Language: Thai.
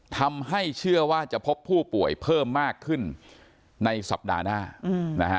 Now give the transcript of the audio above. ทำให้เชื่อว่าจะพบผู้ป่วยเพิ่มมากขึ้นในสัปดาห์หน้านะฮะ